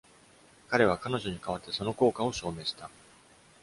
彼は彼女に代わってその効果を証明した。